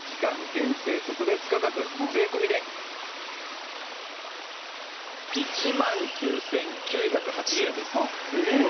限定特別価格税込で１９９８０円ですええっ！？